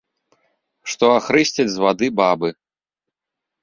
Што ахрысцяць з вады бабы.